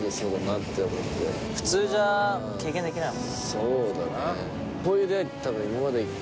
そうだね。